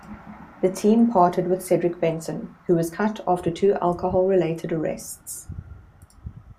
The team parted with Cedric Benson, who was cut after two alcohol-related arrests.